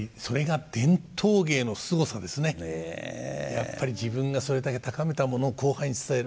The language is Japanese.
やっぱり自分がそれだけ高めたものを後輩に伝える。